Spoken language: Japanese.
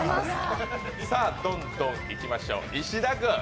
さあ、どんどんいきましょう。